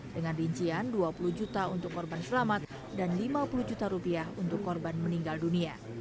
dengan rincian dua puluh juta untuk korban selamat dan lima puluh juta rupiah untuk korban meninggal dunia